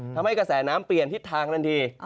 ทำให้กระแสน้ำเปลี่ยนทิศทางนั้นดี